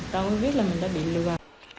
tôi mới biết là mình đã bị lừa